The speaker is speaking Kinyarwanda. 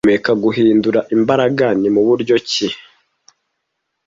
Nyuma yo guhumeka guhindura imbaraga ni muburyo ki